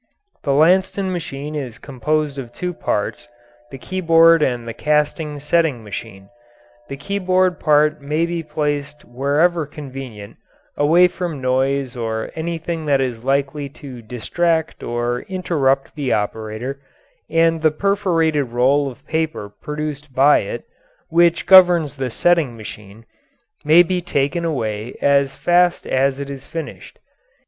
The Lanston machine is composed of two parts, the keyboard and the casting setting machine. The keyboard part may be placed wherever convenient, away from noise or anything that is likely to distract or interrupt the operator, and the perforated roll of paper produced by it (which governs the setting machine) may be taken away as fast as it is finished.